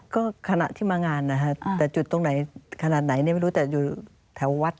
ก็ขณะที่มางานนะฮะแต่จุดตรงไหนขนาดไหนเนี่ยไม่รู้แต่อยู่แถววัด